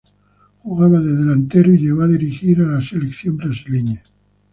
Jugaba de delantero y llegó a dirigir a la selección brasileña.